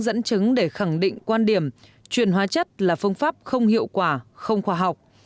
dẫn chứng để khẳng định quan điểm truyền hóa chất là phương pháp không hiệu quả không khoa học